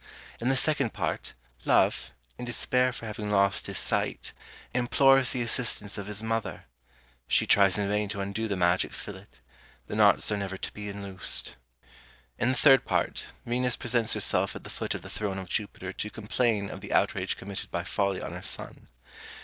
In the second part, Love, in despair for having lost his sight, implores the assistance of his mother; she tries in vain to undo the magic fillet; the knots are never to be unloosed. In the third part, Venus presents herself at the foot of the throne of Jupiter to complain of the outrage committed by Folly on her son.